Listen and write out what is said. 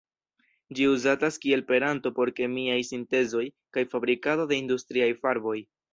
Ĝi uzatas kiel peranto por kemiaj sintezoj kaj fabrikado de industriaj farboj.